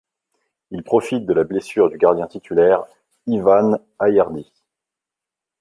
Il profite de la blessure du gardien titulaire Ivan Aiardi.